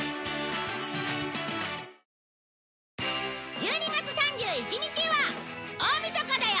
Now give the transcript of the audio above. １２月３１日は『大みそかだよ！